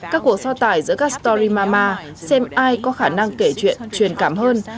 các cuộc so tải giữa các story mama xem ai có khả năng kể chuyện truyền cảm hơn